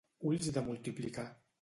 Ulls de multiplicar.